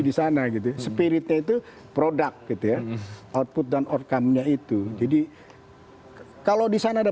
di sana gitu spiritnya itu produk gitu ya output dan outcome nya itu jadi kalau di sana ada